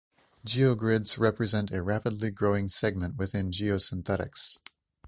Geogrids represent a rapidly growing segment within geosynthetics.